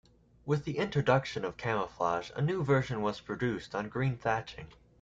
With the introduction of camouflage, a new version was produced on green thatching.